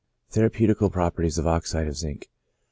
THERAPEUTICAL PROPERTIES OF OXIDE OF ZINC.